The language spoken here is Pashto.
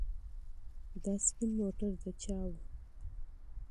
دا سپین موټر د چا و؟